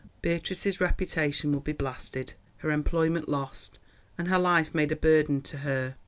Beatrice's reputation would be blasted, her employment lost, and her life made a burden to her.